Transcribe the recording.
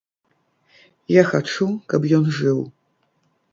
Я хачу, каб ён жыў.